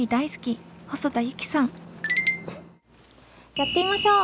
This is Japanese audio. やってみましょう！